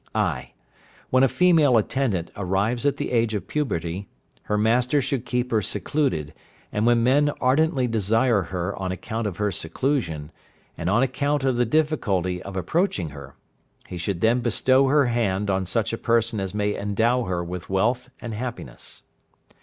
(i). When a female attendant arrives at the age of puberty, her master should keep her secluded, and when men ardently desire her on account of her seclusion, and on account of the difficulty of approaching her, he should then bestow her hand on such a person as may endow her with wealth and happiness.